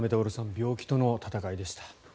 病気との闘いでした。